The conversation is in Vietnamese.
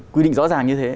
quy định rõ ràng như thế